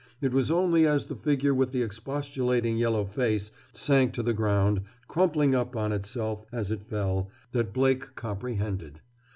It was only as the figure with the expostulating yellow face sank to the ground, crumpling up on itself as it fell, that Blake comprehended.